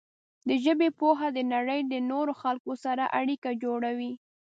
د ژبې پوهه د نړۍ د نورو خلکو سره اړیکه جوړوي.